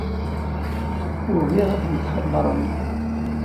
Ugin ad tent-xebbren.